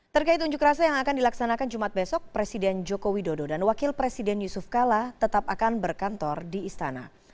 terkait unjuk rasa yang akan dilaksanakan jumat besok presiden joko widodo dan wakil presiden yusuf kala tetap akan berkantor di istana